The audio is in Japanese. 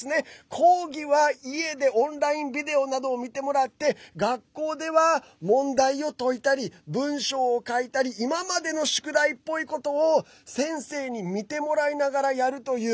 講義は家でオンラインビデオなどを見てもらって学校で問題を解いたり文章を書いたり今までの宿題っぽいことを先生に見てもらいながらやるという。